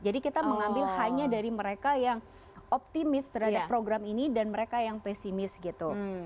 jadi kita mengambil hanya dari mereka yang optimis terhadap program ini dan mereka yang pesimis gitu